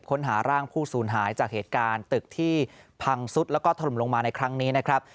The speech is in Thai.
ค้นหาร่างผู้สูญหายจากเหตุการณ์ตึกที่พังซุดแล้วก็ถล่มลงมาในครั้งนี้นะครับ